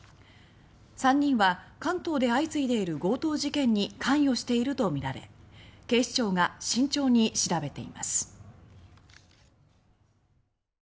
３人は、関東で相次いでいる強盗事件に関与しているとみられ警視庁が慎重に調べています。